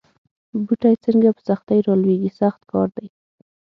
بوټی څنګه په سختۍ را لویېږي سخت کار دی.